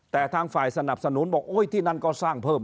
แต่ทางฝ่ายสนับสนุนบอกโอ้ยที่นั่นก็สร้างเพิ่ม